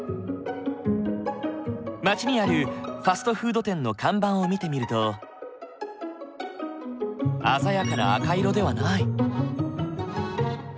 街にあるファストフード店の看板を見てみると鮮やかな赤色ではない。